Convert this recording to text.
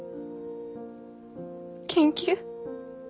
研究？